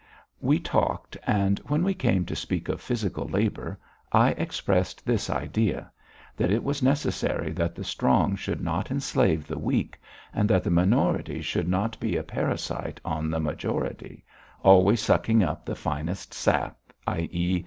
We talked and when we came to speak of physical labour, I expressed this idea: that it was necessary that the strong should not enslave the weak, and that the minority should not be a parasite on the majority, always sucking up the finest sap, _i. e.